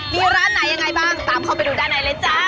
มีร้านไหนยังไงบ้างตามเข้าไปดูด้านในเลยจ้า